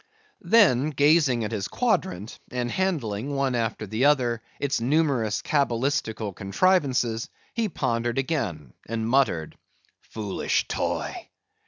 Then gazing at his quadrant, and handling, one after the other, its numerous cabalistical contrivances, he pondered again, and muttered: "Foolish toy!